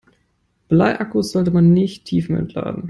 Bleiakkus sollte man nicht tiefentladen.